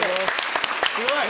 すごい！